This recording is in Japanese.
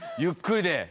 ゆっくりで。